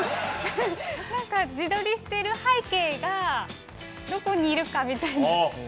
◆何か自撮りしている背景がどこにいるかみたいな。